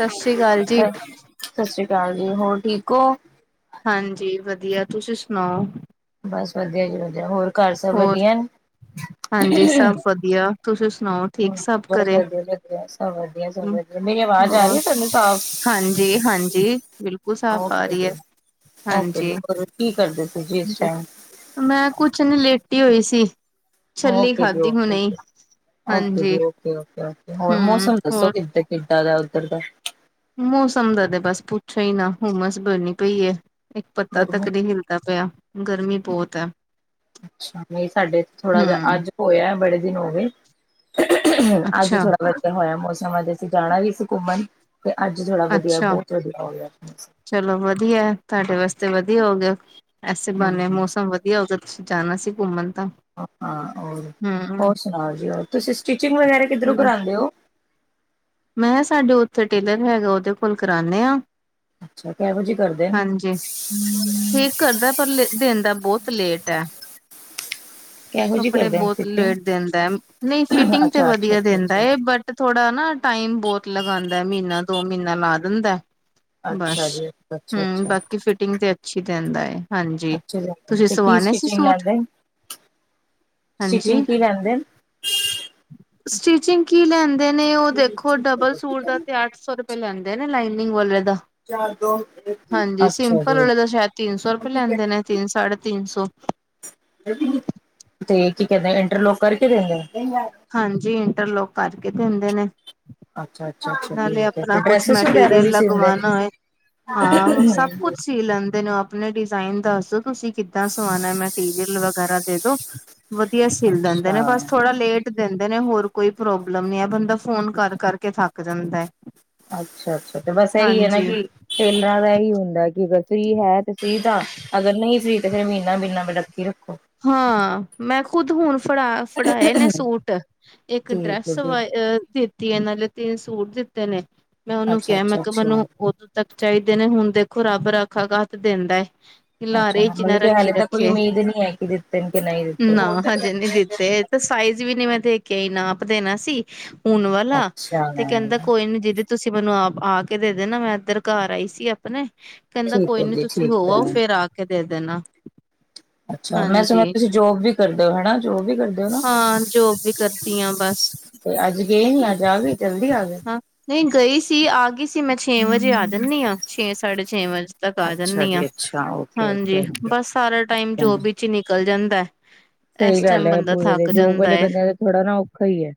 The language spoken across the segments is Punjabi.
ਸਤਿ ਸ੍ਰੀ ਅਕਾਲ ਜੀ ਸਤਿ ਸ੍ਰੀ ਅਕਾਲ ਜੀ ਹੋਰ ਠੀਕ ਹੋ। ਹਾਂਜੀ ਵਧੀਆ ਤੁਸੀਂ ਸੁਣਾਓ। ਬਸ ਵਧੀਆ ਜੀ ਵਧੀਆ ਹੋਰ ਘਰ ਸਭ ਹੋਰ ਵਧੀਆ ਨੇ। ਹਾਂਜੀ ਸਭ ਵਧੀਆ ਤੁਸੀਂ ਸੁਣਾਓ ਠੀਕ ਸਭ ਬਹੁਤ ਘਰੇ ਵਧੀਆ ਲੱਗਿਆ ਸਭ ਵਧੀਆ ਸਭ ਵਧੀਆ ਮੇਰੀ ਆਵਾਜ਼ ਆ ਰਹੀ ਆ ਤਾਨੂੰ ਸਾਫ਼। ਜੀ ਹਾਂਜੀ ਬਿਲਕੁਲ ਸਾਫ਼ ਆ ਓਕੇ ਰਹੀ ਹੈ। ਜੀ ਓਕੇ ਜੀ ਹਾਂਜੀ ਹੋਰ ਕੀ ਕਰਦੇ ਸੀ ਇਸ ਜੀ ਟਾਈਮ ਮੈਂ ਕੁਛ ਨਹੀਂ ਲੇਟੀ ਹੋਈ ਸੀ। ਛੱਲੀ ਓਕੇ ਜੀ ਖਾਧੀ ਹੁਣੇ ਹੀ ਓਕੇ, ਹਾਂਜੀ ਓਕੇ, ਓਕੇ। ਹੋਰ ਹਮ ਮੌਸਮ ਦੱਸੋ ਹੋਰ ਕਿੱਦ ਕਿੱਦਾਂ ਦਾ ਉੱਧਰ ਦਾ ਮੌਸਮ ਦਾ ਤੇ ਬਸ ਪੁੱਛੋ ਹੀ ਨਾ ਹੁਮਸ ਬਨੀ ਪਈ ਹੈ। ਇੱਕ ਪੱਤਾ ਗਰਮੀ ਤੱਕ ਨਹੀਂ ਹਿਲਦਾ ਪਿਆ ਗਰਮੀ ਬਹੁਤ ਹੈ। ਅੱਛਾ ਨਹੀਂ ਸਾਡੇ ਇਥੇ ਥੋੜਾ ਜਿਹਾ ਹਮ ਅੱਜ ਹੋਇਆ ਬੜੇ ਦਿਨ ਹੋਗੇ। ਅੱਜ ਅੱਛਾ ਥੋੜਾ ਵਧੀਆ ਹੋਇਆ ਮੌਸਮ ਅੱਜ ਅਸੀਂ ਜਾਣਾ ਵੀ ਸੀ ਘੁੰਮਣ। ਤੇ ਅੱਜ ਥੋੜਾ ਵਧੀਆ ਅੱਛਾ ਬਹੁਤ ਵਧੀਆ ਹੋ ਗਿਆ ਮੌਸਮ ਚਲੋ ਵਧੀਆ ਤੁਹਾਡੇ ਵਾਸਤੇ ਤੇ ਵਧੀਆ ਹੋ ਗਿਆ। ਐਸੇ ਹੂੰ ਬਹਾਨੇ ਮੌਸਮ ਵਧੀਆ ਹੋ ਗਿਆ ਤੁਸੀਂ ਜਾਣਾ ਸੀ ਘੁੰਮਣ। ਤਾਂ ਹਾਂ ਹੋਰ। ਹੂੰ। ਹੋਰ ਸੁਣਾਓ ਜੀ ਹੋ ਤੁਸੀ ਸਟਿਚਿੰਗ ਵਗੈਰਾ ਕਿਧਰੋ ਕਰਾਂਦੇ ਹੋ। ਮੈਂ ਸਾਡੇ ਉੱਥੇ ਟੇਲਰ ਹੈਗਾ ਉਹਦੇ ਕੋਲ ਕਰਾਣੇ ਆ। ਹ [unintelligible] ਅੱਛਾ ਕੇਹੋ ਜੀ ਕਰਦੇ ਹ। ਹਾਂਜੀ। ਠੀਕ ਕਰਦਾ ਪਰ ਦਿੰਦਾ ਬਹੁਤ ਲੇਟ ਐ [inaudible] ਕੱਪੜੇ ਬਹੁਤ ਸਟਿਚਿੰਗ ਲੇਟ ਦਿੰਦਾ ਐ, ਨਹੀਂ ਫਿਟਿੰਗ ਤੇ ਅੱਛਾ ਅੱਛਾ ਵਧੀਆ ਅੱਛਾ ਦਿੰਦਾ ਅੱਛਾ ਐ, ਬਟ ਥੋੜਾ ਨਾ ਟਾਈਮ ਬਹੁਤ ਲਗਾਉਂਦਾ, ਮਹੀਨਾ, ਦੋ ਮਹੀਨਾ ਲਾ ਦਿੰਦਾ। ਅੱਛਾ ਬਸ। ਜੀ ਅੱਛਾ ਹੂੰ, ਅੱਛਾ ਬਾਕੀ ਫਿਟਿੰਗ ਤੇ ਅੱਛੀ ਦਿੰਦਾ ਐ। ਹਾਂਜੀ, ਅੱਛਾ ਜੀ ਤੁਸੀਂ ਸਵਾਉਣੇ ਸੀ ਸੂਟ? ਹਾਂਜੀ। ਸਟੀਚਿੰਗ ਕੀ ਲੈਂਦੇ? ਸਟਿਚਿੰਗ ਕੀ ਲੈਂਦੇ ਨੇ, ਉਹ ਦੇਖੋ ਡਬਲ ਸੂਟ ਦਾ ਅੱਛਾ ਤੇ ਅੱਠ ਸੌ ਰੁਪਏ ਲੈਂਦੇ ਨਾ-ਨਾ ਲਾਈਨਿੰਗ ਬੋਲ [unintelligible] ਹਾਂਜੀ ਸਿੰਪਲ ਜੀ ਵਾਲੇ ਤਾਂ ਸ਼ਾਇਦ ਤਿੰਨ ਸੌ ਰੁਪਏ ਲੈਂਦੇ ਨੇ, ਤਿੰਨ ਸਾਢੇ ਤਿੰਨ ਸੌ ਤੇ ਕੀ ਕਹਿੰਦੇ ਇੰਟਰਲੋਕ ਕਰਕੇ ਦੇਂਦੇ ਨੇ? ਹਾਂਜੀ, ਇੰਟਰਲੋਕ ਕਰਕੇ ਦੇਂਦੇ ਨੇ। ਅੱਛਾ ਅੱਛਾ ਅੱਛਾ ਨਾਲੇ ਠੀਕ ਹੈ ਆਪਣਾ ਤੇ ਕੁਛ ਡਰੈਸਿਸ ਵਗੈਰਾ ਮੈਟੀਰੀਅਲ ਵੀ ਸੀਂਦੇ ਨੇ ਲਗਵਾਉਣਾ ਏ। ਹਾਂ ਸਭ ਕੁਛ ਸੀ ਲੈਂਦੇ ਨੇ ਓ ਆਪ। ਆਪਣੇ ਡਿਜ਼ਾਇਨ ਦੱਸ ਦੋ ਤੁਸੀਂ ਕਿੱਦਾਂ ਸਵਾਉਣਾ, ਮੈਟੀਰੀਅਲ ਵਗੈਰਾ ਦੇ ਦੋ। ਵਧੀਆ ਸਿਲ ਦਿੰਦੇ ਨੇ, ਅੱਛਾ ਬਸ ਥੋੜਾ ਲੇਟ ਦਿੰਦੇ ਨੇ, ਹੋਰ ਕੋਈ ਪ੍ਰੋਬਲਮ ਨੀ ਐ। ਬੰਦਾ ਫੋਨ ਕਰ-ਕਰ ਕੇ ਥੱਕ ਜਾਂਦਾ ਐ। ਅੱਛਾ-ਅੱਛਾ ਤੇ ਬਸ ਇਹੀ ਐ ਨਾ ਕਿ ਟੇਲਰਾ ਦਾ ਇਹੀ ਹੁੰਦਾ ਕਿ ਵਰ ਫਰੀ ਹੈ ਤੇ ਸੀਤਾ, ਅਗਰ ਨਹੀਂ ਸੀਤੇ ਫੇਰ ਮਹੀਨਾ-ਮਹੀਨਾ ਰੱਖੀ ਰੱਖੋ। ਹਾਂ, ਮੈਂ ਖੁਦ ਹੁਣ ਫੜਾ-ਫੜਾਏ ਨੇ ਸੂਟ, ਇੱਕ ਠੀਕ ਹੈ ਡਰੈਸ ਜੀ ਵਾਏ ਅ ਤਿ ਸੀਨ ਵਾਲੇ ਤਿੰਨ ਸੂਟ ਦਿੱਤੇ ਨੇ, ਮੈਂ ਉਹਨੂੰ ਕਿਹਾ ਮੈਂ ਅੱਛਾ-ਅੱਛਾ-ਅੱਛਾ। ਕਿਹਾ ਮੈਨੂੰ ਅੱਛਾ ਉਦੋਂ ਤੱਕ ਚਾਹੀਦੇ ਨੇ ਹੁਣ ਦੇ ਖੁ ਰੱਬ ਰਾਖਾ ਕੱਤ ਦਿੰਦਾ ਏ, ਅੱਛਾ ਲਾਰੇ ਅੱਛਾ ਚ ਨਾ ਮਤਲਬ ਕਿ ਰੱਖੀ ਹਾਲੇ ਤਾਂ ਕੋਈ ਰੱਖੇ। ਉਮੀਦ ਨਹੀਂ ਹੈ ਕਿ ਦਿੱਤੇ ਨੇ ਕਿ ਨਹੀਂ ਦਿੱਤੇ। ਨਾ ਹਜੇ ਨਹੀਂ ਦਿੱਤੇ, ਇਹ ਤਾਂ ਸਾਈਜ਼ ਵੀ ਨੀ ਮੈਂ ਦੇਖ ਕਈ ਨਾਪ ਦੇਣਾ ਸੀ, ਹੁਣ ਵਾਲਾ ਅੱਛਾ ਤੇ ਕਹਿੰਦਾ ਕੋਈ ਨੀ ਜਦ ਤੁਸੀਂ ਮੈਨੂੰ ਆਪ ਆ ਕੇ ਦੇ ਦੇਣਾ, ਮੈਂ ਇੱਧਰ ਘਰ ਆਈ ਸੀ ਆਪਣੇ। ਕਹਿੰਦਾ ਠੀਕ ਕੋਈ ਹੈ ਨੀ ਜੀ ਤੁਸੀਂ ਹੋ ਠੀਕ ਹੈ। ਆਓ, ਫ਼ੇਰ ਆ ਕੇ ਦੇ ਦੇਣਾ। ਅੱਛਾ ਮੈਂ ਹਾਂਜੀ। ਸੁਣਿਆ ਤੁਸੀਂ ਜੋਬ ਵੀ ਕਰਦੇ ਹੋ ਹਨਾ ਜੋਬ ਵੀ ਕਰਦੇ ਹੋ ਨਾ ਹਾਂ, ਜੋਬ ਵੀ ਕਰਦੀ ਆ ਬਸ। ਤੇ ਅੱਜ ਗਏ ਨੀ ਹੂੰ, ਅੱਜ ਆ ਗਏ ਜਲਦੀ ਆ ਗਏ। ਹਾਂ, ਨਹੀਂ ਗਈ ਸੀ, ਆ ਗਈ ਸੀ, ਮੈਂ ਛੇ ਵਜੇ ਆ ਜਾਂਦੀ ਆ, ਛੇ ਸਾਢੇ ਛੇ ਵਜੇ ਤੱਕ ਆ ਅੱਛਾ ਜਾਂਨੀ ਆ, ਜੀ ਅੱਛਾ ਹਾਂਜੀ। ਓਕੇ-ਓਕੇ-ਓਕੇ। ਬਸ ਸਾਰਾ ਟਾਈਮ ਜੋਬ ਵਿੱਚ ਨਿਕਲ ਜਾਂਦਾ। ਇਸ ਸਹੀ ਗੱਲ ਟਾਈਮ ਐ, ਬੰਦਾ ਪੂਰੇ ਦੇ ਥੱਕ ਜੋਬ ਜਾਂਦਾ ਵਾਲੇ ਹੈ ਬੰਦਿਆਂ ਦਾ ਥੋੜਾ ਨਾ ਔਖਾ ਈ ਐ।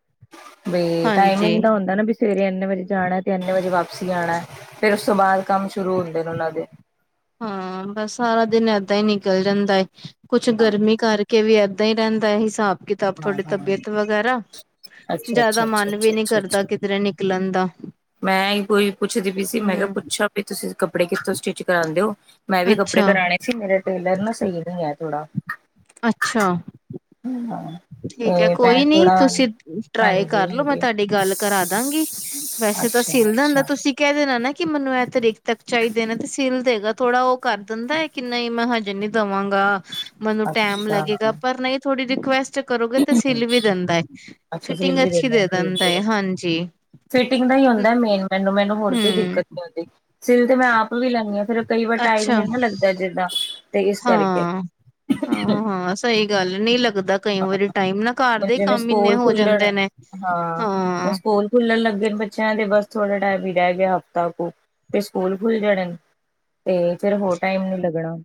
ਬ, ਹਾਂਜੀ ਟਾਈਮਿੰਗ ਦਾ ਹੁੰਦਾ ਨਾ, ਬ ਸਵੇਰੇ ਇੰਨੇ ਵਜੇ ਜਾਣਾ ਤੇ ਇੰਨੇ ਵਜੇ ਵਾਪ ਸ ਆਉਣਾ, ਫਿਰ ਉਸ ਤੋਂ ਬਾਅਦ ਹੁੰਦੇ ਨੇ ਉਹਨਾਂ ਦੇ। ਹਾਂ, ਬਸ ਸਾਰਾ ਦਿਨ ਐ ਏਦਾਂ ਹੀ ਨਿਕਲ ਜਾਂਦਾ ਏ, ਕੁਛ ਹਾਂ, ਗਰਮੀ ਕਰਕੇ ਵੀ ਏਦਾਂ ਹੀ ਰਹਿੰਦਾ ਐ ਹਿਸਾਬ ਕਿਤਾਬ ਹਾਂ, ਥੋਡੀ ਹਾਂ ਤਬੀਅਤ ਵਗੈਰਾ, ਅੱਛਾ, ਜ਼ਿਆਦਾ ਅੱਛਾ, ਅੱਛਾ, ਮਨ ਅੱਛਾ, ਵੀ ਨੀ ਅੱਛਾ, ਕਰਦਾ ਅੱਛਾ। ਕਿਧਰੇ ਨਿਕਲਣ ਦਾ। ਮੈਂ ਕੋਈ ਪੁੱਛਦੀ ਪਈ ਸੀ, ਮੈਂ ਕਿਹਾ ਹਮ ਪੁੱਛਾ ਵੀ ਤੁਸੀਂ ਕੱਪੜੇ ਕਿੱਥੋਂ ਸਟਿਚ ਕਰਾਂਦੇ ਓ? ਮੈਂ ਵੀ ਕੱਪੜੇ ਅੱਛਾ ਕਰਾਉਣੇ ਸੀ, ਮੇਰਾ ਟੇਲਰ ਨਾ ਸਹੀ ਨਈਂ ਐ ਥੋੜਾ। ਅੱਛਾ। ਹੂੰ, ਆ। ਠੀਕ ਐ। ਕੋਈ ਨੀ ਤੁਸੀਂ ਟਰਾਈ ਹਾਂਜੀ, ਕਰਲੋ, ਮੈਂ ਹਾਂਜੀ। ਤੁਹਾਡੀ ਗੱਲ ਕਰਾ ਦਾਂਗੀ। ਵੈ ਅੱਛਾ ਤਾਂ ਸਿੱਲ ਦਿੰਦਾ, ਤੁਸੀਂ ਕਹਿ ਦੇਣਾ ਨਾ ਏ। ਕਿ ਮੈਨੂੰ ਇਹ ਤਰੀਕ ਤੱਕ ਚਾਹੀਦੇ ਨੇ ਤੇ ਸਿਲ ਦੇਗਾ ਥੋੜਾ ਓ ਕਰ ਦਿੰਦਾ ਐ, ਕਿ ਨਈਂ, ਮੈਂ ਹਜੇ ਨੀ ਦਵਾਗਾਂ। ਮੈਨੂੰ ਟੈਮ ਅੱਛਾ, ਲੱਗੇਗਾ, ਪਰ ਨਹੀਂ ਥੋੜੀ ਰਿਕੁਐਸਟ ਕਰੋਗੇ ਤਾਂ ਸਿੱਲ ਵੀ ਦਿੰਦਾ ਐ, ਅੱਛਾ ਸਿਲ ਫਿਟਿੰਗ ਵੀ ਅੱਛੀ ਦਿੰਦੇ ਦੇ ਦਿੰਦਾ ਠੀਕ ਐ, ਹੈ। ਹਾਂਜੀ। ਫਿਟਿੰਗ ਦਾ ਹੀ ਹੁੰਦਾ ਮੇਨ ਮੈਨੂੰ, ਮੈਨੂੰ ਹੋਰ ਕੋਈ ਦਿੱਕਤ ਹਮ ਨੀ ਆਉਂਦੀ। ਸਿਲ ਤੇ ਮੈਂ ਆਪ ਵੀ ਲੈਨੀ ਆ। ਫਿਰ ਕਈ ਵਾਰ ਟਾਈਮ ਨੀ ਅੱਛਾ ਨਾ ਲੱਗਦਾ ਜਿੱਦਾਂ ਤੇ ਇਸ ਕਰਕੇ। ਆਹ, ਹਾਂ, ਸਹੀ ਗੱਲ ਐ। ਨਈ ਲੱ ਲੱਗਦਾ ਕਈ ਵਾਰੀ ਟਾਈਮ ਨਾ, ਘਰ ਦੇ ਜਿਵੇਂ ਕੰਮ ਇੰਨੇ ਸਕੂਲ ਹੋ ਖੁੱਲਣ ਜਾਂਦੇ ਨੇ। ਹਾਂ ਫਿਰ ਬੱਚਿਆਂ ਦੇ ਬਸ ਥੋੜਾ ਟਾਈਮ ਹੀ ਰਹਿ ਗਿਆ, ਹਫ਼ਤਾ ਕੂ ਤੇ ਸਕੂਲ ਖੁੱਲ ਜਾਣੇ ਈ। ਤੇ ਫਿਰ ਹੋਰ ਟਾਈਮ ਨਹੀਂ ਲੱਗਣਾ।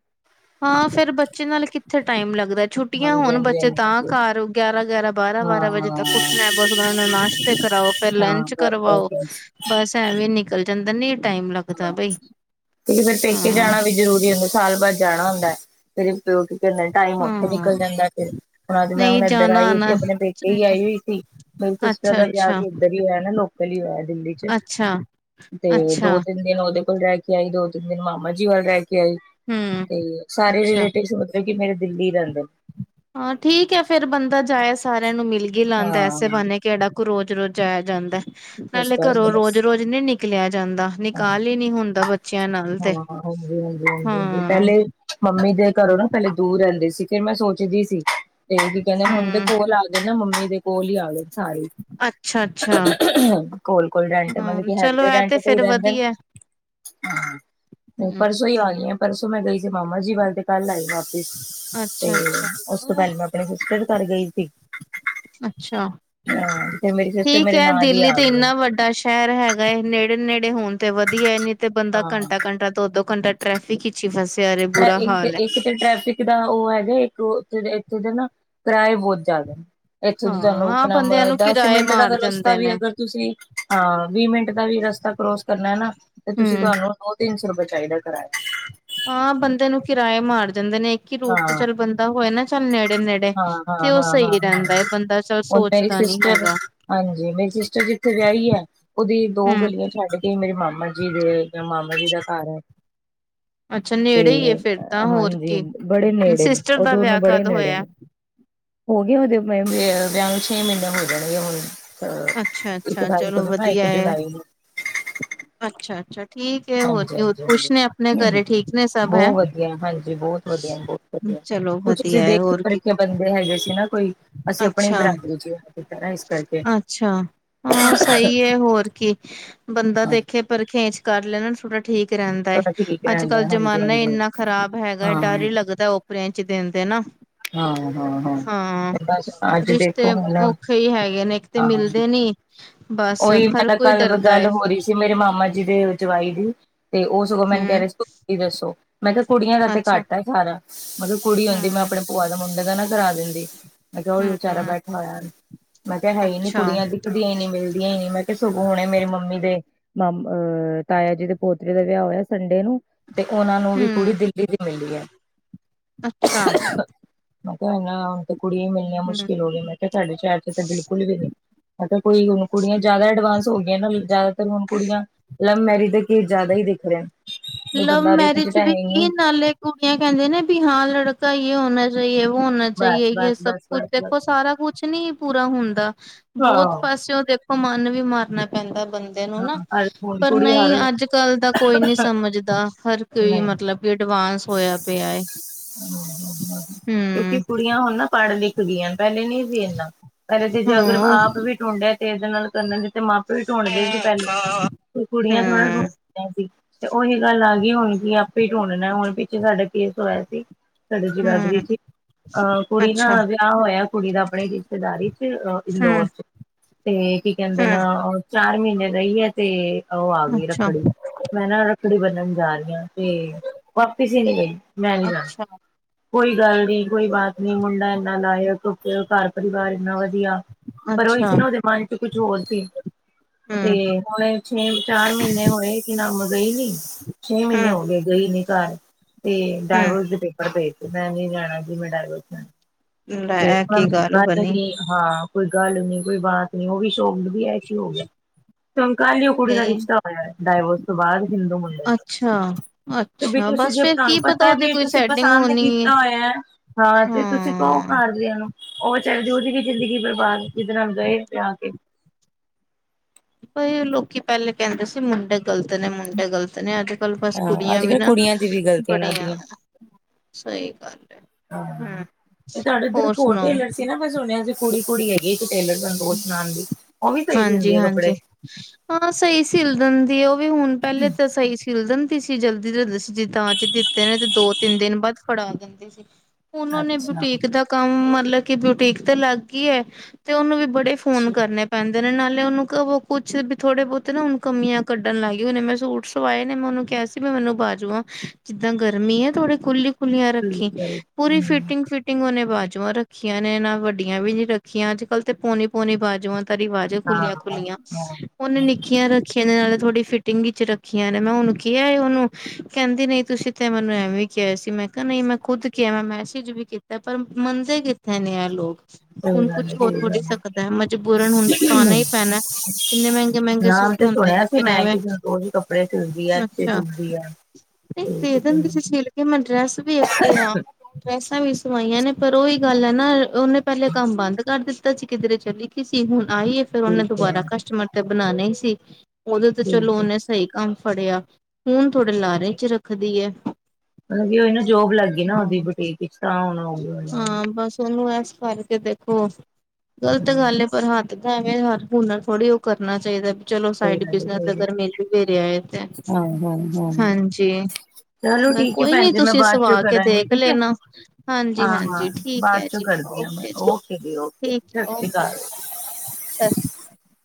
ਹਾਂ ਫਿਰ ਬੱਚੇ ਨਾਲ ਕਿੱਥੇ ਟਾਈਮ ਲੱਗਦਾ ਛੁੱਟੀਆਂ ਹਾਂਜੀ ਹੋਣ ਹਾਂਜੀ ਬੱਚੇ ਹਾਂਜੀ ਤਾਂ ਹਾਂਜੀ ਘਰ ਗਿਆਰਾਂ। ਗਿਆਰਾਂ ਬਾਰਾਂ ਬਾਰਾਂ ਵਜੇ ਤੱਕ ਉੱਠਣਾ। ਹਾਂ ਬਸ ਉਹਨਾਂ ਨੂੰ ਨਾਸ਼ਤੇ ਕਰਾਓ। ਫਿਰ ਹਾਂ ਲੰਚ ਬਸ ਬਸ ਕਰਵਾਓ। ਬਸ ਬਸ ਐਵੇਂ। ਐਵੀਂ ਨਿਕਲ ਜਾਂਦਾ ਨਹੀਂ। ਟਾਈਮ ਲੱਗਦਾ ਬਈ ਠੀਕ ਫਿਰ ਪੇਕੇ ਹਾਂ ਜਾਣਾ ਵੀ ਜਰੂਰੀ ਹੁੰਦਾ ਸਾਲ ਬਾਅਦ। ਜਾਣਾ ਹੁੰਦਾ ਹੈ। ਮੇਰੇ ਪਿਓ? ਕਿੰਨਾ ਟਾਈਮ ਉੱਥੇ ਹਾਂ ਨਿਕਲ ਜਾਂਦਾ ਫਿਰ ਹੁਣ ਅੱਜ ਮੈਂ ਨਹੀਂ ਹੁਣ ਏਧਰ ਜਾਣਾ ਆਈ ਸੀ ਆਣਾ ਆਪਣੇ ਪੇਕੇ ਹੀ ਆਈ ਹੋਈ ਸੀ। ਮੇਰੀ ਸਿਸਟਰ ਅੱਛਾ ਦਾ ਵਿਆਹ ਅੱਛਾ ਵੀ ਇੱਧਰ ਹੀ ਹੋਇਆ ਨਾ ਲੋਕਲ ਹੀ ਹੋਇਆ ਹੈ। ਦਿੱਲੀ 'ਚ ਅੱਛਾ ਤੇ ਦੋ ਅੱਛਾ ਤਿੰਨ ਦਿਨ। ਮੈਂ ਉਹਦੇ ਕੋਲ ਰਹਿ ਕੇ ਆਈ ਦੋ ਤਿੰਨ ਦਿਨ ਮਾਮਾ ਜੀ ਵੱਲ ਰਹੇ। ਕੇ ਆਈਂ ਹਮ ਤੇ ਸਾਰੇ ਅੱਛਾ ਰਿਲੇਟਿਵ ਮਤਲਬ ਕਿ ਮੇਰੇ ਦਿੱਲੀ ਰਹਿੰਦੇ। ਹਾਂ ਠੀਕ ਹੈ ਫਿਰ ਬੰਦਾ ਜਾਏ ਸਾਰਿਆਂ ਨੂੰ ਮਿਲ ਗਿਲ ਆਉਂਦਾ ਐਸੇ ਹਾਂ ਬਹਾਨੇ ਕਿਹੜਾ। ਰੋਜ਼ ਰੋਜ਼ ਜਾਇਆ ਜਾਂਦਾ ਬਸ ਨਾਲੇ ਬਸ ਘਰੋਂ ਰੋਜ਼ ਬਸ। ਰੋਜ਼ ਨੀ ਨਿਕਲਿਆ। ਜਾਂਦਾ ਨਿਕਾਲ ਹੀ ਨਹੀਂ ਹੁੰਦਾ ਬੱਚਿਆਂ ਨਾਲ ਹਾਂ ਤੇ ਹਾਂਜੀ ਹਾਂਜੀ ਹਾਂ। ਘਰੋ ਨਾ ਪਹਿਲੇ ਦੂਰ ਰਹਿੰਦੇ ਸੀ। ਫਿਰ ਮੈਂ ਸੋਚਦੀ ਸੀ ਤੇ ਕੀ ਕਹਿੰਦੇ ਹੁਣ ਤੇ ਹੂੰ, ਕੋਲ ਆਗੇ ਨਾ ਮੰਮੀ ਦੇ। ਕੋਲ ਹੀ ਆਗੇ ਸਾਰੇ ਅੱਛਾ-ਅੱਛਾ, ਕੋਲ ਕੋਲ ਡੈਂਟ ਹਾਂ ਮਤਲਬ ਕੀ ਹੈ ਚਲੋ ਰਹਿੰਦੇ ਐ ਰੈਟ। ਤੇ ਫੇਰ ਰਹਿੰਦੇ ਵਧੀਆ ਤੇ ਹੂੰ, ਪਰਸੋਂ ਹੀ ਆ ਗਈਆਂ ਪਰਸੋਂ ਮੈਂ। ਮਾਮਾ ਜੀ ਵੱਲ ਤੇ ਕੱਲ ਆਈ ਹਾਂ। ਤੇ ਅੱਛਾ-ਅੱਛਾ। ਉਸ ਤੋਂ ਪਹਿਲਾਂ ਮੈਂ ਆਪਣੇ ਸਿਸਟਰ ਦੇ ਘਰ ਗਈ ਸੀ। ਅੱਛਾ ਹਾਂ ਤੇ ਮੇਰੀ ਸਿਸਟਰ ਠੀਕ ਮੇਰੇ ਹੈ ਨਾਲ ਹੀ ਦਿੱਲੀ ਆ ਤੇ ਗਈ ਇੰਨਾ ਵੱਡਾ ਸ਼ਹਿਰ ਹੈਗਾ ਨੇੜੇ। ਨੇੜੇ ਨੇੜੇ ਹੋਣ ਤੇ ਵਧੀਆ ਨੀ ਤੇ ਬੰਦਾ ਹਾਂ ਘੰਟਾ ਘੰਟਾ ਦੋ ਦੋ ਘੰਟਾ ਟਰੈਫਿਕ ਵਿੱਚ ਹੀ ਫਸਿਆ। ਰੇ ਬੁਰਾ ਇਹ ਇੱਕ ਹਾਲ ਐ। ਇੱਕ ਤੇ ਟਰੈਫਿਕ ਦਾ ਉਹ ਹੈਗਾ ਇੱਕ। ਇਦੇ ਦਾ ਕਿਰਾਏ ਬਹੁਤ ਜ਼ਿਆਦਾ ਨੇ। ਇੱਥੋਂ ਦੀ ਤੁਹਾਨੂੰ ਕਿ ਹਾਂ, ਨਾਮ ਬੰਦਿਆਂ ਨੂੰ ਦਸ ਕਿਰਾਏ ਮਿੰਟ ਦਾ ਮਾਰ ਤਾਂ ਰਸਤਾ ਜਾਂਦੇ ਵੀ ਨੇ ਅਗਰ ਤੁਸੀਂ ਹਾਂ ਵੀਹ ਮਿੰਟ ਦਾ ਵੀ ਰਸਤਾ। ਰਸਤਾ ਕਰੋਸ ਕਰਨਾ ਨਾ ਤੇ ਤੁਸੀਂ ਹੂੰ। ਤੁਹਾਨੂੰ ਦੋ ਤਿੰਨ ਸੌ ਰੁਪਈਆ ਚਾਹੀਦਾ ਕਰਾਇਆ ਦਾ। ਹਾਂ ਬੰਦੇ ਨੂੰ ਕਿਰਾਏ ਮਾਰ ਜਾਂਦੇ ਨੇ ਇੱਕ ਹੀ ਰੂਟ ਤੇ ਹਾਂ ਚੱਲ ਬੰਦਾ ਹੋਏ ਨਾ ਚੱਲ ਨੇੜੇ ਨੇੜੇ। ਹਾਂ ਹਾਂ ਹਾਂ ਹਾਂ ਹਾਂ ਚੱਲ ਹੁਣ ਮੇਰੀ ਸੋਚਦਾ ਨੀ ਸਿਸਟਰ ਹੈਗਾ ਹਾਂਜੀ ਮੇਰੀ ਸਿਸਟਰ ਜਿੱਥੇ। ਵਿਆਹੀ ਹੈ ਉਹਦੀ ਦੋ ਹੂੰ, ਗਲੀਆਂ ਛੱਡ ਕੇ ਮੇਰੇ ਮਾਮਾ ਜੀ ਦੇ ਮੇਰੇ ਮਾਮਾ ਜੀ ਦਾ ਘਰ ਹੈ। [inaudible] ਅੱਛਾ ਤੇ ਨੇੜੇ ਈ ਏ ਫੇਰ ਤਾਂ ਹੋਰ ਹਾਂਜੀ ਕੀ ਬੜੇ ਨੇੜੇ ਨੇ ਸਿਸਟਰ ਉਹ ਦਾ ਦੋਨੋ ਵਿਆਹ ਬੜੇ ਕਦ ਨੇੜੇ ਹੋਇਆ? ਨੇ। ਹੋਗੇਏ ਉਹਦੇ ਵਿਆਹ ਨੂੰ ਛੇ ਮਹੀਨੇ ਹੋ ਜਾਣਗੇ ਹੁਣ। ਅੱਛਾ ਅਹ ਇੱਕ ਅੱਛਾ ਤਾਰੀਖ ਚਲੋ ਨੂੰ ਨਾ ਇੱਕ ਵਧੀਆ ਹੈ ਜੁਲਾਈ ਨੂੰ। ਅੱਛਾ ਅੱਛਾ। ਠੀਕ ਹੈ ਹੋਰ ਹਾਂਜੀ ਕੀ ਹਾਂਜੀ ਖ਼ੁਸ਼ ਹਾਂਜੀ ਨੇ ਆਪਣੇ ਹਮ ਘਰੇ ਠੀਕ ਨੇ ਸਭ ਹੈ। ਬਹੁਤ ਵਧੀਆ ਹਾਂਜੀ ਬਹੁਤ ਵਧੀਆ ਬਹੁਤ ਵਧੀਆ ਚਲੋ ਕੁਛ ਅਸੀਂ ਵਧੀਆ ਹੈ ਦੇਖੇ ਹੋਰ ਕੀ ਪਰਿਖੇ ਬੰਦੇ ਹੈਗੇ ਸੀ ਨਾ ਕੋਈ ਅਸੀਂ ਆਪਣੀ ਅੱਛਾ ਬਰਾਦਰੀ 'ਚ ਨਹੀਂ ਕੀਤਾ। ਕਰਕੇ ਅੱਛਾ ਹਾਂ ਸਹੀ ਹੈ ਹੋਰ ਕੀ ਬੰਦਾ ਹਾਂ ਦੇਖੇ ਪਰਖੇ ਇਸ ਕਰ ਲੈ ਨਾ ਥੋੜਾ। ਠੀਕ ਰਹਿੰਦਾ ਹੈਏ ਥੋੜਾ ਠੀਕ ਅੱਜ ਕੱਲ ਰਹਿੰਦਾ ਹਾਂਜੀ ਜਮਾਨਾ ਹਾਂਜੀ ਇੰਨਾ ਖ਼ਰਾਬ ਹੈਗਾ ਹੈ ਹਾਂ ਡਰ ਹੀ ਲੱਗਦਾ। ਟੈਂਚ ਦਿਨ ਦੇ ਨਾ ਹਾਂ ਹਾਂ ਹਾਂ ਬਸ ਅੱਜ ਰਿਸ਼ਤੇ ਦੇਖੋ ਹੁਣ ਔਖੇ ਹੀ ਹੈਗੇ ਨੇ ਇੱਕਤੇ ਹਾਂ ਮਿਲਦੇ ਨੀ। ਨਹੀਂ। ਉਹੀ ਮੈਂ ਤਾਂ ਕੱਲ ਗੱਲ ਹੋ ਰਹੀ ਸੀ। ਮੇਰੇ ਮਾਮਾ ਜੀ ਦੇ ਜਵਾਈ ਦੀ ਤੇ ਉਹ ਸਗੋਂ ਮੈਨੂੰ ਕਹਿ ਹਮ ਰਹੇ ਸੀ। ਕੋਈ ਕੁੜੀ ਦੱਸੋ? ਮੈਂ ਕਿਹਾ ਕੁੜੀਆਂ ਦਾ ਤੇ ਅੱਛਾ ਘੱਟਾ ਆ ਸਾਰਾ ਮਤਲਬ ਕੁੜੀ ਹੁੰਦੀ ਮੈਂ ਹਮ ਆਪਣੇ ਭੂਆ ਦਾ ਮੁੰਡੇ ਦਾ ਨਾ ਕਰਾ ਦਿੰਦੀ। ਮੈਂ ਕਿਹਾ ਉਹੀ ਵਿਚਾਰਾ ਹਮ ਬੈਠਾ ਹੋਇਆ। ਮੈਂ ਕਿਹਾ ਹੈ ਨਹੀਂ ਨੀ ਅੱਛਾ ਕੁੜੀਆਂ ਦਿਖਦੀਆਂ ਹੀ ਨੀ ਮਿਲਦੀਆਂ ਹੀ ਨੀ ਮੈਂ। ਤੇ ਸਗੋਂ ਹੁਣੇ ਮੇਰੀ ਮੰਮੀ ਦੇ ਅਹ ਤਾਇਆ ਜੀ ਦੇ ਪੋਤਰੀ ਦਾ ਵਿਆਹ ਹੋਇਆ ਸੰਡੇ ਨੂੰ। ਤੇ ਉਹਨਾਂ ਨੂੰ ਵੀ ਕੁੜੀ ਹੂੰ, ਦਿੱਲੀ ਦੀ ਮਿਲੀ ਹੈ। ਅੱਛਾ। ਤੇ ਨਾ ਹੁਣ ਤੇ ਕੁੜੀਆਂ ਮਿਲਣੀਆਂ ਹੂੰ। ਮੁਸ਼ਕਿਲ ਹੋ ਗਈਆਂ ਮੈਂ ਕਿਹਾ ਤੁਹਾਡੇ ਸ਼ਹਿਰ 'ਚ ਤੇ ਬਿਲਕੁਲ ਵੀ ਨੀ ਮੈਂ ਕਿਹਾ ਕੋਈ ਉਹਨੂੰ। ਕੁੜੀਆਂ ਜ਼ਿਆਦਾ ਐਡਵਾਂਸ ਹੋ ਗਈਆਂ ਨਾ ਜ਼ਿਆਦਾਤਰ ਹੁਣ ਕੁੜੀਆਂ ਲਵ ਮੈਰਿਜ ਦਾ ਕੇਸ ਜ਼ਿਆਦਾ ਹੀ ਦਿਖ ਰਿਹਾ ਹੈ। ਲਵ ਮੈਰਿਜ ਵੀ ਨੀ ਕੀ ਨਾਲੇ ਕੁੜੀਆਂ ਕਹਿੰਦੇ ਨੇ ਵੀ ਹਾਂ ਲੜਕਾ ਇਹ ਹੋਣਾ ਚਾਹੀਏ। ਹੋਣਾ ਬਸ ਚਾਹੀਏ ਯੇ ਬਸ ਸਭ ਬਸ ਕੁਛ ਬਸ ਬਸ। ਦੇਖੋ ਸਾਰਾ ਕੁਛ ਨੀ ਪੂਰਾ ਹੁੰਦਾ ਬੋਤ ਹਾਂ ਪਾਸਿਓ ਦੇਖ ਮਨ ਵੀ ਮਾਰਨਾ ਪੈਂਦਾ ਬੰਦੇ ਨੂੰ, ਨਾ। ਹਰ ਹੁਣ ਪਰ ਕੁੜੀ ਨਈਂ, ਹਰ ਅੱਜ ਕੱਲ ਦਾ ਕੋਈ ਨੀ ਸਮਝਦਾ ਹਰ ਕੋਈ, ਨਹੀਂ ਮਤਲਬ ਕਿ ਅਡਵਾ ਕਿਉਂਕਿ, ਹੂੰ, ਕੁੜੀਆਂ ਹੁਣ ਨਾ, ਪੜ੍ਹ ਲਿਖ ਗੀਆਂ, ਪਹਿਲੇ ਨੀ ਸੀ ਇਨਾ ਪਹਿਲੇ ਤੇ, ਜੇ ਅਗਰ ਹਾਂ। ਹੂੰ, ਹੂੰ, ਆਪ ਵੀ ਦ ਤੇ ਏਦੇ ਨਾਲ ਕਨਨ ਤੇ ਮਾਪੇ ਵੀ ਟੂੰਡਦੇ ਸੀ ਪਹਿਲੇ। ਅੱਛਾ, ਤੇ, ਕੁੜੀਆਂ ਥੋੜਾ ਹੂੰ, ਦੀਆਂ ਸੀ ਤੇ ਉਹੀ ਗੱਲ ਆ ਗੀ, ਹੁਣ ਕਿ ਆਪੇ ਟੁੰਡਣਾ ਹੁਣ, ਪਿੱਛੇ ਸਾਡੇ ਕੇਸ ਹੋਇਆ ਸੀ, ਸਾਡੇ ਹੂੰ, ਜਗਾਧਰੀ ਚ। ਅਹ, ਕੁੜੀ ਨਾ ਅੱਛਾ। ਵਿਆਹ ਹੋਇਆ ਕੁੜੀ ਦਾ ਆਪਣੇ ਰਿਸ਼ਤੇਦਾਰੀ ਚ, ਅ ਇੰਦੋਰ ਚ। ਤੇ ਕੀ ਕਹਿੰਦੇ ਨ, ਚਾਰ ਮਹੀਨੇ ਰਹੀ ਹੈ ਤੇ ਓ ਆ ਗਈ, ਅੱਛਾ, ਰੱਖੜੀ। ਮੈਂ ਨਾ, ਰੱਖੜੀ ਬੰਨਣ ਜਾ ਰਹੀ ਹਾਂ, ਤੇ ਵਾਪਿਸ ਹੀ ਨੀ ਗਈ। ਮੈਂ ਨੀ ਜਾਣਾ। ਕੋਈ ਗੱਲ ਨੀ, ਕੋਈ ਬਾਤ ਨੀ ਮੁੰਡਾ ਇੰਨਾ ਲਾਇਕ, ਘਰ-ਪਰਿਵਾਰ ਇੰਨਾ ਵਥ ਇਆ, ਪਰ ਉਹੀ ਅੱਛਾ, ਸੀ ਨਾ, ਓਦੇ ਮਨ ਚ ਕੁਛ ਹੋਰ ਸੀ। ਤੇ ਹੂੰ, ਹੁਣੇ, ਛੇ-ਚਾਰ ਮਹੀਨੇ ਹੋਏ ਕਿ ਨਾਮ ਗਈ ਨੀ ਛੇ ਮਹੀਨੇ ਹੂੰ, ਹੋ ਗਏ, ਗਈ ਨੀ ਘਰ, ਤੇ ਇਕ ਹੂੰ। ਡਾਈਵੋ ਮੈਂ ਨੀ ਜਾਣਾ ਮੈਂ ਤੇ ਲੈ ਉਹਨਾਂ ਕੀ ਨੂੰ ਗੱਲ ਬਣੀ ਨੀ ਹਾਂ, ਕੋਈ ਗੱਲ ਨੀ, ਕੋਈ ਬਾਤ ਨੀ। ਓ ਵੀ ਚੋ ਵੀ, ਐ ਕਿ ਹੋ ਗਿਆ। ਤੇ ਹੂਨ, ਕੱਲ ਈ ਕੁੜੀ ਤੇ ਦਾ ਰਿਸ਼ਤਾ ਹੋਇਆ ਡਾਇਵੋਰਸ ਤੋਂ ਬਾਅਦ, ਹਿੰਦੂ ਮੁੰਡੇ, ਅੱਛਾ ਤੇ ਅੱਛਾ ਤੁਸੀਂ, ਬਸ ਜੇ ਫੇਰ ਤਾਨੂੰ ਕੀ ਪਤਾ ਉਹਦੀ ਐਵੀ, ਕੋਈ ਤੁਸੀਂ ਸੈਟਿੰਗ ਪਸੰਦ ਹੋਣੀ ਹੈ ਕੀਤਾ ਹੋਇਆ ਹਾਂ ਤੇ ਤੁਸੀਂ ਕੋ, ਹਾਂ ਘਰ ਦਿਆਂ ਨੂੰ, ਓਹ ਚਾਹੀਦੀ ਓਦੀ ਵੀ ਜ਼ਿੰਦਗੀ ਬਰਬਾਦ, ਜਿਦੇ ਨਾਲ ਗਏ, ਆ ਕੇ ਭਈ, ਲੋਕੀ ਪਹਿਲੇ ਕਹਿੰਦੇ ਸੀ, ਮੁੰਡੇ ਗਲਤ ਨੇ, ਮੁੰਡੇ ਗ਼ਲਤ ਤ ਨੇ ਅੱਜ ਕੱਲ, ਬਸ ਹਾਂ ਕੁੜੀਆਂ ਅੱਜ ਵੀ ਕੱਲ੍ਹ ਨਾ, ਕੁੜੀਆਂ ਦੀ ਵੀ ਗ਼ਲਤੀਆਂ ਬੜੀਆਂ ਲੱਗਦੀਆਂ ਸਹੀ ਗੱਲ ਹੈ ਹਮ ਤੇ ਤੁਹਾਡੇ ਉੱਧਰ ਇਕ ਹੋਰ ਟੇਲਰ ਸੀ ਨਾ ਮੈਂ ਸੁਣਿਆ ਸੀ, ਕੁੜੀ, ਕੁੜੀ ਹੈਗੀ ਇੱਕ ਟੇਲਰ ਦਾ ਦੋਸ ਨਾਲ ਦੀ ਉਹ ਵੀ ਸਹੀ ਹਾਂਜੀ, ਸੀਂਦੀ ਹੈ ਕੱਪੜੇ ਹਾਂਜੀ। ਹਾਂ, ਸਹੀ ਸਿਲ ਦੰਦੀ, ਉਹ ਵੀ। ਹੁਣ, ਪਹਿਲੇ ਤਾਂ ਸਹੀ ਸਲ ਦੰ [unintelligible] ਦੋ ਤਿੰਨ ਦਿਨ ਬਾਅਦ ਫੜਾ ਦੰਦੇ ਸੀ। ਓਨੋ ਨੇ ਅੱਛਾ ਬੂਟੀਕ ਦਾ ਕੰਮ, ਮਤਲਬ ਕਿ ਬਊਟੀਕ ਤੇ ਲੱਗ ਗੀ ਐ, ਤੇ ਓਨੂੰ ਵੀ ਬੜੇ, ਫੋਨ ਅੱਛਾ ਕਰਨੇ ਦੇ ਨੇ ਨਾਲੇ, ਓਨੂੰ ਕਵੋ ਕੁਛ ਵੀ, ਥੋੜੇ-ਬੋਤੇ ਨਾ, ਓਨੂੰ ਕਮੀਆਂ ਕੱਢਣ ਲੱੲਗੀ, ਹੁਨੇ ਮੈਂ ਸੂਟ ਸਵਾਏ ਨੇ, ਮੈਂ ਓਨੂ ਕਿਹਾ ਸੀ ਮੈਂ, ਮੈਨੂੰ ਬਾਜੂਆਂ ਜਿੱਦਾਂ ਗਰਮੀ ਐ, ਥੋੜੇ ਖੁੱਲੀ ਖੁਲੀਆਂ ਰੱਖੀ, ਠੀਕ ਹੈ ਪੂਰੀ ਹਮ, ਫਿਟਿੰਗ-ਫਿਟਿੰਗ ਓਨੇ ਬਾਜੂਆਂ ਰੱਖੀਆਂ ਨੇ ਨਾ, ਵੱਡੀਆਂ ਵੀ ਨੀ ਰੱਖੀਆਂ, ਅੱਜ-ਕੱਲ ਤੇ, ਪੋਣੀ-ਪੋਣੀ ਬਾਜੂਆਂ ਦਾ ਰਿਵਾਜ਼ ਐ, ਹਾਂ ਖੁੱਲੀਆਂ-ਖੁੱਲੀਆਂ, ਹਾਂ ਓਨੇ ਨਿੱਕੀਆਂ ਰੱਖੀ ਕੇ ਨਾਲ, ਥੋੜੀ ਫਿਟਿੰਗ ਵਿੱਚ ਰੱਖੀਆਂ ਨੇ, ਮੈਂ ਓਨੂੰ ਕਿਆ ਓਨੂੰ, ਕੇਂਦੀ, ਨਹੀਂ, ਤੁਸੀਂ ਤੇ ਮੈਨੂੰ ਐਵੇਂ ਕੇਆ ਸੀ, ਮੈਂ ਕਾ ਨਹੀਂ, ਮੈਂ ਖੁਦ ਕੇਆ ਮੈਂ ਮੈਸੇਜ ਵੀ ਕੀਤਾ, ਪਰ ਮੰਣਦੇ ਕਿੱਥੇ ਨੇ ਏ ਲੋਕ। ਸਹੀ ਹੁਣ ਗੱਲ ਐ, ਕੁਛ ਹੋ ਸਹੀ ਗੱਲ ਥੋੜੀ ਐ। ਸਕਦਾ ਮਜਬੂਰਨ ਹੁਣ ਪਾਣਾ ਹੀ ਪੈਣਾ ਕਿੰਨੇ ਮਹਿੰਗੇ ਮਹਿੰਗੇ ਨਾਮ ਸੂਟ ਤੇ ਹੁੰਦੇ ਨੇ ਸੁਣਿਆ ਸੀ ਫਿਰ ਮੈਂ, ਐਵੇਂ ਕਿ ਸੰਤੋਸ਼ ਕੱਪੜੇ ਸਿਲ ਦੀਏ, ਅੱਛੇ [inaudible] ਨਹੀਂ ਠੀਕ ਦੇ ਹੈ ਦੰਦੇ ਸੀ, ਛਿਲ ਕੇ ਮੈਂ ਡਰੈਸ ਵੀ, ਡਰੈਸਾਂ ਵੀ ਸਵਾਈਆਂ ਨੇ, ਪਰ ਉਹੀ ਗੱਲ ਹੈ ਨਾ, ਉਹਨੇ ਪਹਿਲੇ ਕੰਮ ਬੰਦ ਕਰ ਦਿੱਤਾ ਸੀ, ਕਿਧਰੇ ਚਲੀ ਗੀ ਸੀ, ਹੁਣ ਆਈਏ ਫੇਰ, ਓਨੇ ਠੀਕ ਹੈ ਦੁਬਾਰਾ ਕਸਟਮਰ ਤੇ ਬਨਾਨੇ ਹੀ ਸੀ, ਓਦੇ ਤੇ, ਚਲੋ, ਠੀਕ ਹੈ ਓਨੇ ਸਹੀ ਕੰਮ ਫੜਿਆ ਹੁਣ, ਥੋੜੇ ਲਾਰੇ ਚ ਰੱਖਦੀ ਐ। ਮਤਲਬ ਕਿ ਓਈ ਨਾ, ਜੋਬ ਲੱਗ ਗਈ ਨਾ, ਓਦੀ ਬੁਟੀਕ ਵਿੱਚ, ਤਾਂ ਹੁਣ ਹੋ ਗਈ ਹੋਣੀ ਹੈ ਹਾਂ, ਬਸ ਓਨੂੰ ਏਸ ਕਰਕੇ, ਦੇਖੋ, ਗ਼ਲਤ ਹਾਂ ਗੱਲ ਐ ਪਰ ਹੱ ਦਾ, ਐਵੇਂ ਹਰ ਹੁੰਨਰ ਥੋੜ੍ਹੀ ਉਹ ਕਰਨਾ ਚਾਈਦਾ। ਚਲੋ, ਸਹੀ ਸਾਈਡ ਗੱਲ ਹੈ ਬਿਜ਼ਨਸ ਸਹੀ ਗੱਲ ਹੈ ਅਗਰ ਮਿਲ ਵੀ ਰੇਆ ਐ ਤੇ, ਹਾਂ ਹਾਂ ਹਾਂ ਹਾਂਜੀ। ਚਲੋ ਬ, ਠੀਕ ਹੈ ਕੋਈ ਭੈਣ ਨੀ ਜੀ ਮੈਂ ਤੁਸੀਂ ਬਾਅਦ ਚੋਂ ਸਵਾ ਕੇ ਕਰਾਂਗੀ ਦੇਖ ਠੀਕ ਹੈ ਲੈਨਾ। ਹਾਂਜੀ, ਹਾਂ ਹਾਂ ਹਾਂਜੀ ਠੀਕ ਬਾਅਦ ਐ ਚੋਂ ਜੀ ਕਰਦੀ ਹਾਂ ਮੈਂ ਓਕੇ ਜੀ ਓਕੇ ਠੀਕ ਸਤਿ ਸ਼੍ਰੀ ਓਕੇ ਅਕਾਲ ਜੀ [inaudible]